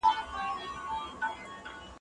مرييان مه ځوروئ او هغوی ته ازادي ورکړئ.